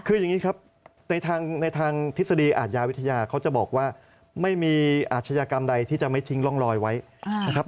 คืออย่างนี้ครับในทางทฤษฎีอาทยาวิทยาเขาจะบอกว่าไม่มีอาชญากรรมใดที่จะไม่ทิ้งร่องรอยไว้นะครับ